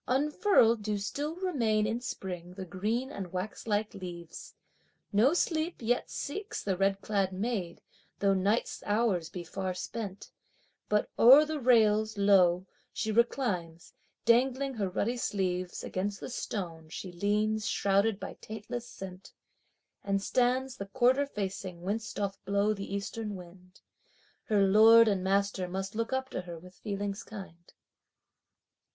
Unfurled do still remain in spring the green and waxlike leaves. No sleep yet seeks the red clad maid, though night's hours be far spent, But o'er the rails lo, she reclines, dangling her ruddy sleeves; Against the stone she leans shrouded by taintless scent, And stands the quarter facing whence doth blow the eastern wind! Her lord and master must look up to her with feelings kind.